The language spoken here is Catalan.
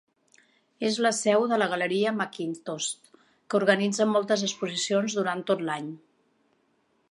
És la seu de la galeria Mackintosh, que organitza moltes exposicions durant tot l'any.